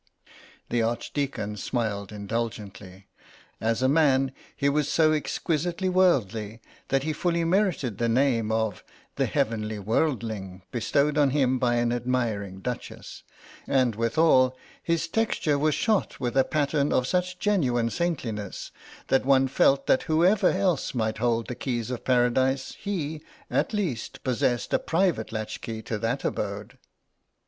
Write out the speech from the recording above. The Archdeacon smiled indulgently. As a man he was so exquisitely worldly that he fully merited the name of the Heavenly Worldling bestowed on him by an admiring duchess, and withal his texture was shot with a pattern of such genuine saintliness that one felt that whoever else might hold the keys of Paradise he, at least, possessed a private latchkey to that abode.